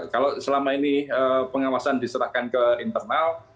kalau selama ini pengawasan diserahkan ke internal